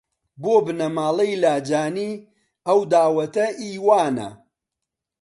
بۆ بنەماڵەی لاجانی ئەو داوەتە ئی وانە